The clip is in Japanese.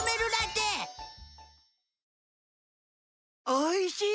おいしい！